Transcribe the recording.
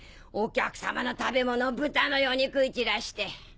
お客様の食べ物を豚のように食いちらして！